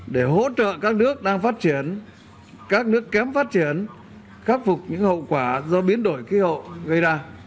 để hỗ trợ các nước đang phát triển các nước kém phát triển khắc phục những hậu quả do biến đổi khí hậu gây ra